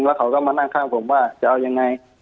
แล้วเขาก็มานั่งข้างผมว่าจะเอายังไง